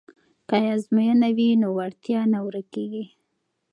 که ازموینه وي نو وړتیا نه ورکیږي.